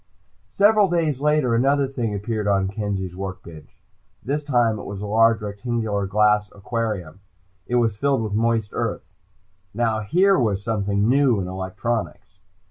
Several days later another thing appeared on Kenzie's work bench. This time it was a large rectangular glass aquarium. It was filled with moist earth. Now here was something new in electronics!